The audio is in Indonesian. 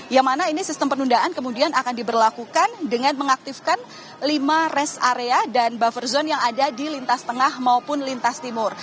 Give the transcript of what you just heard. yang mana ini sistem penundaan kemudian akan diberlakukan dengan mengaktifkan lima rest area dan buffer zone yang ada di lintas tengah maupun lintas timur